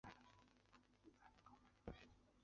她还是上海电影制片厂创作室的中共党总支书记。